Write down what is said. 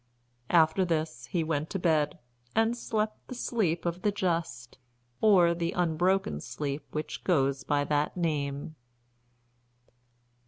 After this he went to bed, and slept the sleep of the just, or the unbroken sleep which goes by that name.